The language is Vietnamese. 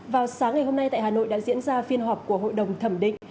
vào sáng ngày hôm nay tại hà nội đã diễn ra phiên họp của hội đồng thẩm định